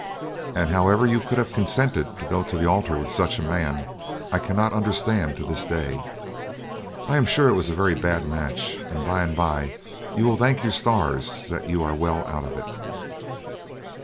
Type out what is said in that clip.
And however you could have consented to go to the altar with such a man I cannot understand to this day. I am sure it was a very bad match, and by and by you will thank your stars that you are well out of it.'